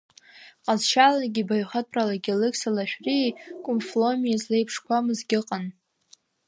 Ҟазшьалагьы, баҩхатәралагьы Алықьса Лаашәриеи Кәымф Ломиеи злеиԥшқәамызгьы ыҟан.